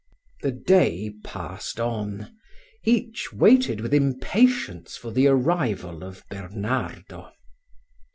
The day passed on; each waited with impatience for the arrival of Bernardo.